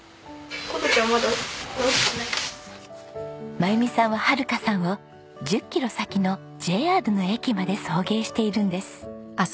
真由美さんは遥香さんを１０キロ先のＪＲの駅まで送迎しているんです。